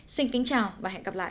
xin kính chào và hẹn gặp lại